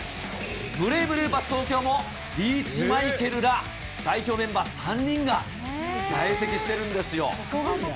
ブレイブルーパス東京もリーチマイケルら代表メンバー３人が在籍しているんですよ。